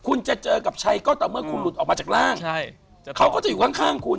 คุณจะเจอกับชัยก็ต่อเมื่อคุณหลุดออกมาจากร่าง